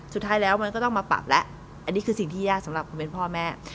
สุดท้ายแล้วมันก็ต้องมาปรับแล้วอันนี้คือสิ่งที่ยากสำหรับคุณเป็นพ่อแม่